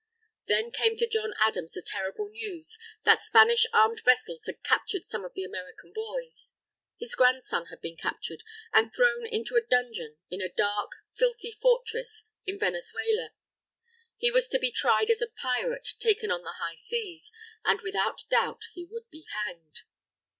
Then came to John Adams the terrible news, that Spanish armed vessels had captured some of the American boys. His grandson had been captured, and thrown into a dungeon in a dark, filthy fortress in Venezuela. He was to be tried as a pirate taken on the high seas, and without doubt he would be hanged.